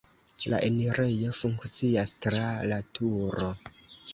La enirejo funkcias tra laturo.